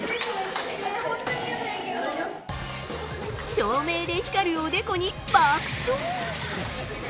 照明で光るおでこに爆笑！